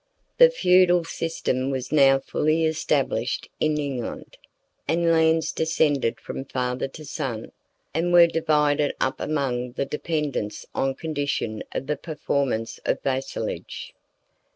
] The "feudal system" was now fully established in England, and lands descended from father to son, and were divided up among the dependants on condition of the performance of vassalage.